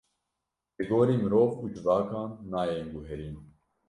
Li gorî mirov û civakan nayên guherîn.